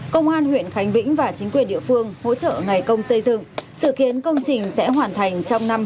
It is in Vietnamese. công an huyện khánh vĩnh và chính quyền địa phương hỗ trợ ngày công xây dựng sự kiến công trình sẽ hoàn thành trong năm hai nghìn hai mươi